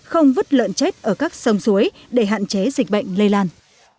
không vứt lợn chết ở các sông suối để hạn chế dịch bệnh lây lan